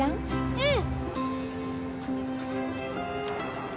うん。